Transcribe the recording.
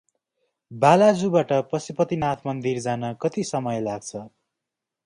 बालाजु बाट पशुपतिनाथ मन्दिर जान कति समय लाग्छ?